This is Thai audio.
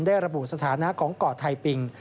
ระบุสถานะของเกาะไทยปิง